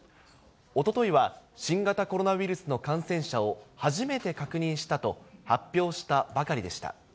おとといは新型コロナウイルスの感染者を初めて確認したと発表したばかりでした。